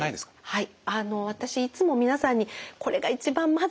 はい。